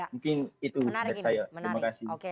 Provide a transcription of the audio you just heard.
mungkin itu menurut saya terima kasih